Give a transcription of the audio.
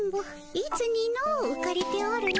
いつにのううかれておるの。